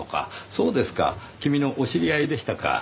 そうですか君のお知り合いでしたか。